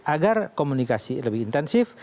agar komunikasi lebih intensif